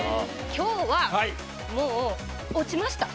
今日はもう落ちました。